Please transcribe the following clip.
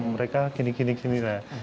mereka gini gini gini lah